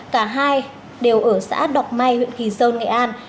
cả hai đều ở xã đọc may huyện kỳ sơn nghệ an